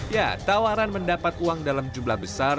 ya tawaran mendapat uang dalam jumlah besar